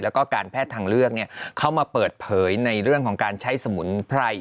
แล้วก็การแพทย์ทางเลือกเข้ามาเปิดเผยในเรื่องของการใช้สมุนไพร